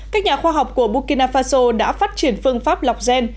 các nhà khoa học của burkina faso đã phát triển phương pháp lọc gen